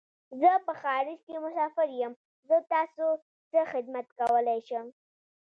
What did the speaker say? زه په خارج کی مسافر یم . زه تاسو څه خدمت کولای شم